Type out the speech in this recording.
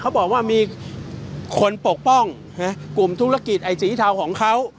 เขาบอกว่ามีคนปกป้องกลุ่มธุรกิจไอ้สีเทาของเขา